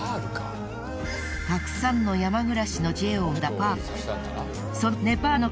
たくさんの山暮らしの知恵を学んだネパール。